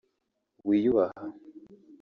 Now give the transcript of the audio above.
wiyubaha